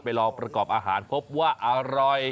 ลองประกอบอาหารพบว่าอร่อย